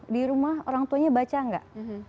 di rumah orang tuanya baca nggak